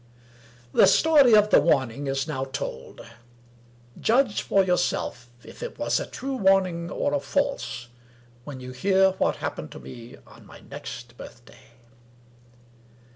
VII The story of the warning is now told. Judge for your self if it was a true warning or a false, when you hear what happened to me on my next birthday.